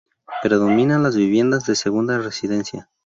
Predominan las viviendas de segunda residencia.